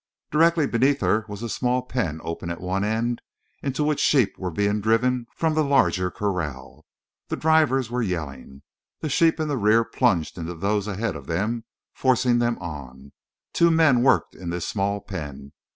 Directly beneath her was a small pen open at one end into which sheep were being driven from the larger corral. The drivers were yelling. The sheep in the rear plunged into those ahead of them, forcing them on. Two men worked in this small pen.